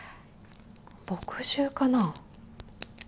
墨汁かな。